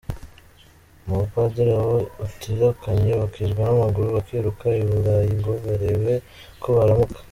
Mu bapadiri abo utirukanye bakizwa n’amaguru bakirukira i Burayi ngo barebe ko baramuka.